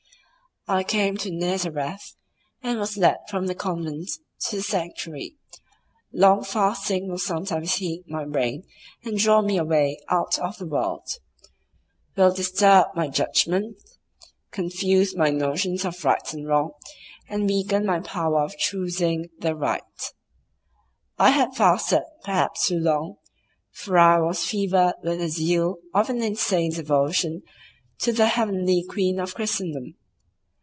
I came to Nazareth, and was led from the convent to the sanctuary. Long fasting will sometimes heat my brain and draw me away out of the world—will disturb my judgment, confuse my notions of right and wrong, and weaken my power of choosing the right: I had fasted perhaps too long, for I was fevered with the zeal of an insane devotion to the heavenly queen of Christendom.